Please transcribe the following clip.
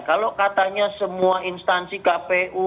kalau katanya semua instansi kpu